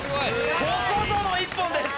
ここぞの一本です。